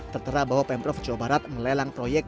tertera bahwa pemprov jawa barat melelang proyek